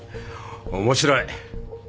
面白い。